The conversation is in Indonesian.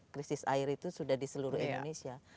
krisis air itu sudah di seluruh indonesia